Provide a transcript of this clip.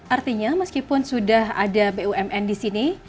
artinya meskipun sudah ada bumn disini